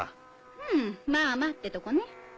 うんまぁまぁってとこね。